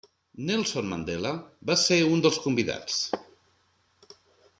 Nelson Mandela va ser un dels convidats.